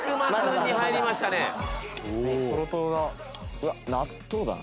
うわっ納豆だな。